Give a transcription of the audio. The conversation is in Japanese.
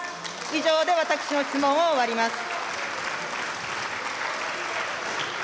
以上で私の質問を終わります。